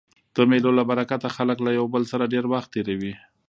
د مېلو له برکته خلک له یو بل سره ډېر وخت تېروي.